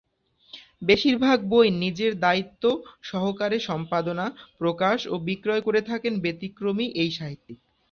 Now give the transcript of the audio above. বেশিরভাগ বই নিজেই দায়িত্ব সহকারে সম্পাদনা, প্রকাশ ও বিক্রয় করে থাকেন ব্যতিক্রমী এই সাহিত্যিক।